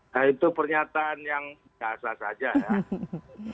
nah itu pernyataan yang biasa saja ya